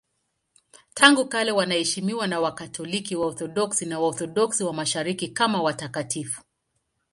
Tangu kale wanaheshimiwa na Wakatoliki, Waorthodoksi na Waorthodoksi wa Mashariki kama watakatifu.